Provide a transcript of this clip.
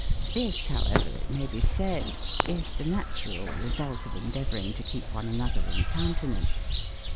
This, however, it may be said, is the natural result of endeavoring to keep one another in countenance.